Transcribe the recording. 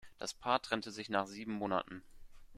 Das Paar trennte sich nach sieben Monaten.